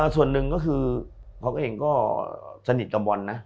ส่วนหนึ่งก็คือเขาก็เองก็สนิทกับบอลนะ